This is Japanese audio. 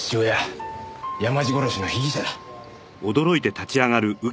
山路殺しの被疑者だ。